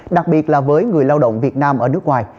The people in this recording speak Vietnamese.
đặc biệt là với người lao động việt nam ở nước ngoài